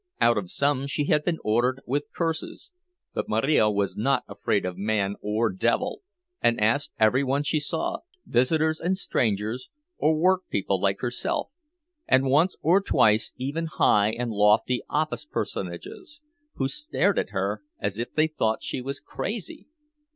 Out of some she had been ordered with curses; but Marija was not afraid of man or devil, and asked every one she saw—visitors and strangers, or work people like herself, and once or twice even high and lofty office personages, who stared at her as if they thought she was crazy.